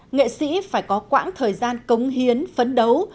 nghệ sĩ phải có quãng thời gian cống hiến phấn đấu